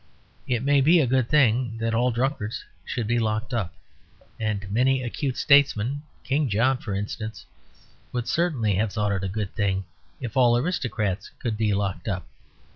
It may be a good thing that all drunkards should be locked up: and many acute statesmen (King John, for instance) would certainly have thought it a good thing if all aristocrats could be locked up.